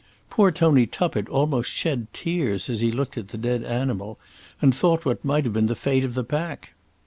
Poor Tony Tuppett almost shed tears as he looked at the dead animal, and thought what might have been the fate of the pack.